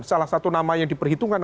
salah satu nama yang diperhitungkan